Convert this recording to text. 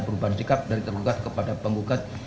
perubahan sikap dari tergugat kepada penggugat